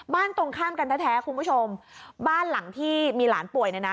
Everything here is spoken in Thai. ตรงข้ามกันแท้แท้คุณผู้ชมบ้านหลังที่มีหลานป่วยเนี่ยนะ